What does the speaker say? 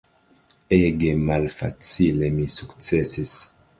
Ege malfacile mi sukcesis.